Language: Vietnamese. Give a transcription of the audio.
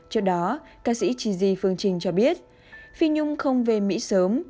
trước đó ca sĩ chi di phương trinh cho biết phi nhung không về mỹ sớm